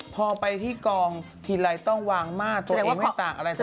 พอไปที่กองทีไรต้องวางม่าตัวเองไม่ต่างอะไรสัก